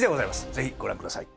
ぜひご覧ください。